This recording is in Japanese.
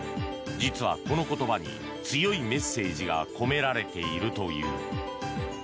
実はこの言葉に強いメッセージが込められているという。